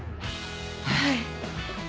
はい。